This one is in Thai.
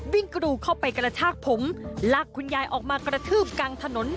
กรูเข้าไปกระชากผมลากคุณยายออกมากระทืบกลางถนน